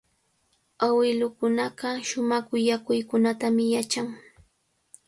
Awilukunaqa shumaq willakuykunatami yachan.